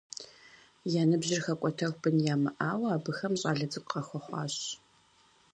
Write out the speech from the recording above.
Я ныбжьыр хэкӏуэтэху бын ямыӏауэ, абыхэм щӏалэ цӏыкӏу къахэхъуащ.